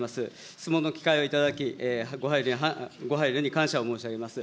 質問の機会を頂き、ご配慮に感謝を申し上げます。